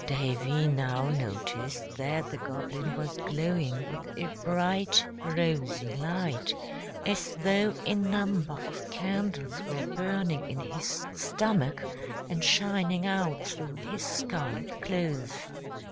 Davy now noticed that the Goblin was glowing with a bright, rosy light, as though a number of candles were burning in his stomach and shining out through his scarlet clothes.